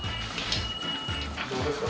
どうですか？